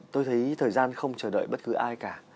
tôi thấy thời gian không chờ đợi bất cứ ai cả